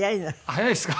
早いですか？